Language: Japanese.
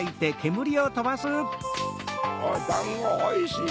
おだんごおいしい！